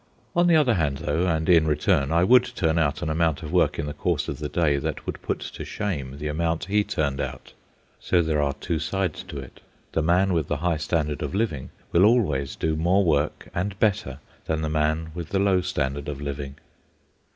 On the other hand, though, and in return, I would turn out an amount of work in the course of the day that would put to shame the amount he turned out. So there are two sides to it. The man with the high standard of living will always do more work and better than the man with the low standard of living.